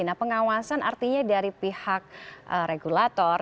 nah pengawasan artinya dari pihak regulator